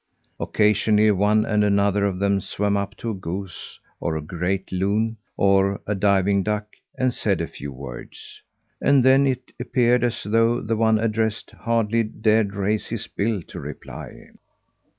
Occasionally one and another of them swam up to a goose, or a great loon, or a diving duck, and said a few words. And then it appeared as though the one addressed hardly dared raise his bill to reply.